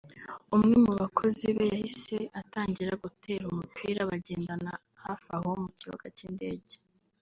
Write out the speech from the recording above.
umwe mu bakozi be yahise atangira gutera umupira bagendana hafi aho mu kibuga cy’indege